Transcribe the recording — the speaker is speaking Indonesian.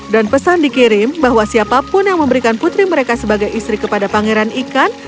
dan pesan dikirim bahwa siapapun yang memberikan putri mereka sebagai istri kepada pangeran ikan